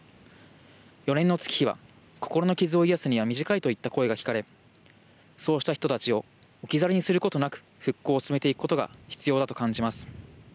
４年の月日は、心の傷をいやすには短いといった声が聞かれそうした人たちを置き去りにすることなく復興を進めていくことが必要だと感じます。